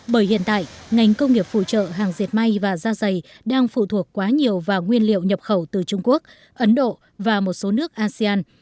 bởi hiện tại ngành công nghiệp phụ trợ hàng diệt may và da dày đang phụ thuộc quá nhiều vào nguyên liệu nhập khẩu từ trung quốc ấn độ và một số nước asean